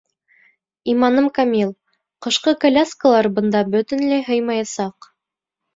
Иманым камил, ҡышҡы коляскалар бында бөтөнләй һыймаясаҡ.